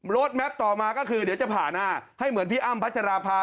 แม็ปต่อมาก็คือเดี๋ยวจะผ่านหน้าให้เหมือนพี่อ้ำพัชราภา